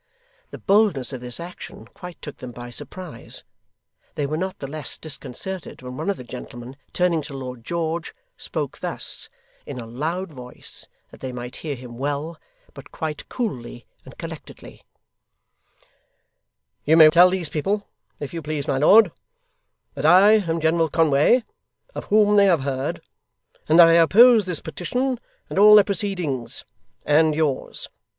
The boldness of this action quite took them by surprise. They were not the less disconcerted, when one of the gentlemen, turning to Lord George, spoke thus in a loud voice that they might hear him well, but quite coolly and collectedly: 'You may tell these people, if you please, my lord, that I am General Conway of whom they have heard; and that I oppose this petition, and all their proceedings, and yours.